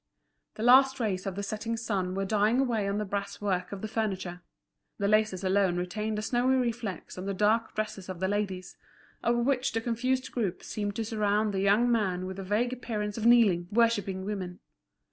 The last rays of the setting sun were dying away on the brass work of the furniture. The laces alone retained a snowy reflex on the dark dresses of the ladies, of which the confused group seemed to surround the young man with a vague appearance of kneeling, worshipping women.